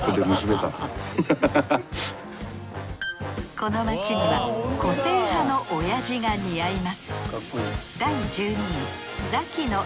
この街には個性派のオヤジが似合います